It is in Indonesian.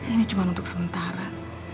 ini cuma untuk sementara